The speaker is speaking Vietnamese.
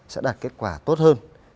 sẽ đạt kết quả tốt hơn